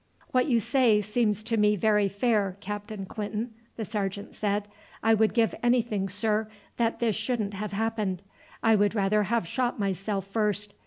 "What you say seems to me very fair, Captain Clinton," the sergeant said. "I would give anything, sir, that this shouldn't have happened. I would rather have shot myself first.